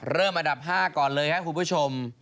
เริ่มอันดับ๕ก่อนเลยครับคุณผู้ชม